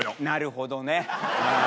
なるほどね。